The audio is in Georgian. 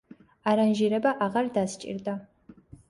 არანჟირება აღარ დასჭირდა.